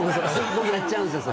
僕やっちゃうんすよそれ。